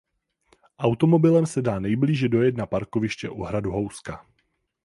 Automobilem se dá nejblíže dojet na parkoviště u hradu Houska.